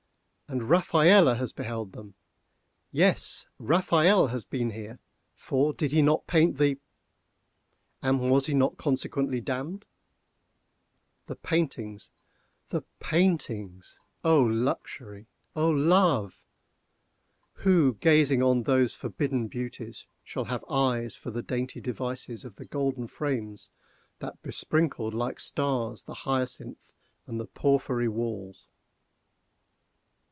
And Rafaelle has beheld them! Yes, Rafaelle has been here, for did he not paint the—? and was he not consequently damned? The paintings—the paintings! O luxury! O love!—who, gazing on those forbidden beauties, shall have eyes for the dainty devices of the golden frames that besprinkled, like stars, the hyacinth and the porphyry walls?